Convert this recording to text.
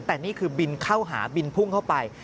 แต่นี่คือบินเข้าหาบินพุ่งเข้าไป